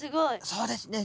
そうですね。